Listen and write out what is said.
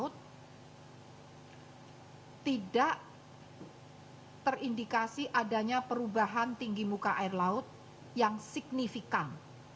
tidak terindikasi adanya perubahan tinggi muka air laut yang signifikan